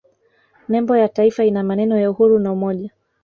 nembo ya taifa ina maneno ya uhuru na umoja